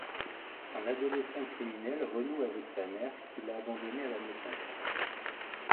Un adolescent criminel renoue avec sa mère qui l'a abandonné à la naissance.